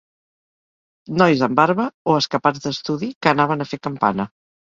Nois amb barba o escapats d'estudi, que anaven a fer campana